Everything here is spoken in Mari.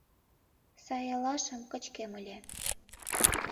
Сай алашам кычкем ыле.